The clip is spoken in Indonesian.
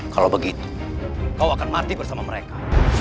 kalau begitu kau akan mati bersama mereka